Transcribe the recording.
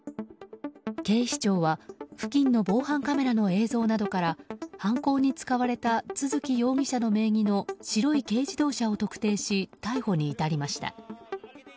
警視庁は付近の防犯カメラの映像などから犯行に使われた都築容疑者の名義の白い軽自動車を特定し逮捕に至りました。